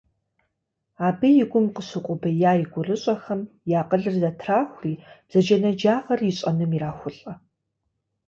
Абы и гум къыщыукъубея и гурыщӏэхэм и акъылыр зэтрахури, бзаджэнаджагъэр ищӏэным ирахулӏэ.